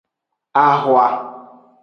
Ahwa.